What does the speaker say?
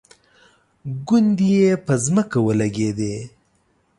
ګونډې یې په ځمکه ولګېدې.